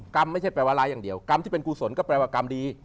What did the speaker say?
ไม่ใช่แปลว่าร้ายอย่างเดียวกรรมที่เป็นกุศลก็แปลว่ากรรมดี